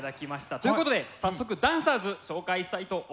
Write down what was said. ということで早速ダンサーズ紹介したいと思います。